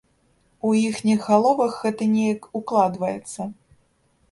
І ў іхніх галовах гэта неяк укладваецца.